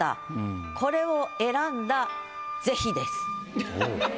これを選んだ是非です。